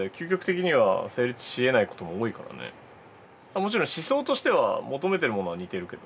もちろん思想としては求めているものは似てるけど。